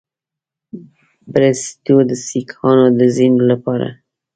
بریسټو د سیکهانو د ځپلو لپاره.